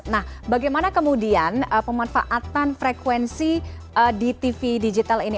nah bagaimana kemudian pemanfaatan frekuensi di tv digital ini